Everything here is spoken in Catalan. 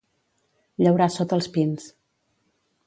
Llaurar sota els pins.